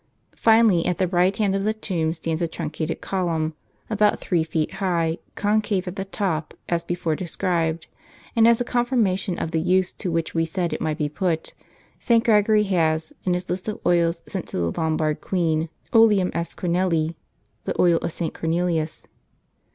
Finally at the right hand of the tomb stands a truncated column, about three feet high, concave at the top, as before described ; and as a confirnuxtion of the use to which we said it might be put, St. Gregory has, in his list of oils sent to the Lombard Queen, " Oleum S. Cornelii," the oil of St. Cornelius.